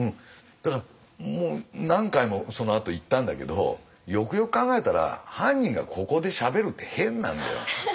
だからもう何回もそのあと行ったんだけどよくよく考えたら犯人がここでしゃべるって変なんだよ。